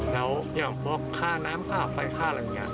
แล้วอย่างพวกค่าน้ำค่าไฟค่าอะไรอย่างนี้